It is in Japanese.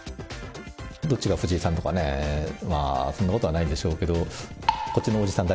どっちが藤井さん？とかね、そんなことはないんでしょうけど、こっちのおじさん誰？